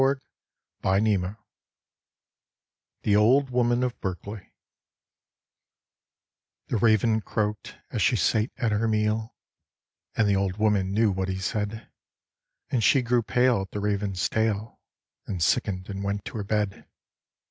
Robert Southey The Old Woman of Berkeley THE Raven croak'd as she sate at her meal, And the Old Woman knew what he said, And she grew pale at the Raven's tale, And sicken'd and went to her bed.